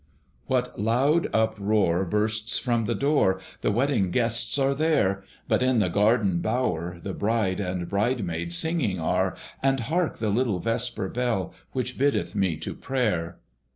What loud uproar bursts from that door! The wedding guests are there: But in the garden bower the bride And bride maids singing are: And hark the little vesper bell, Which biddeth me to prayer!